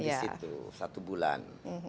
di situ satu bulan